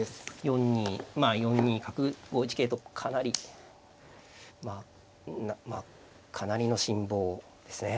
４二まあ４二角５一桂とかなりまあかなりの辛抱ですね。